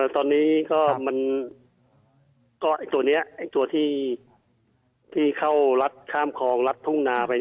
ตอนนี้ก็เป็นตัวนี้ตัวที่เขาลัดส่ามครองลัดถุงนาไป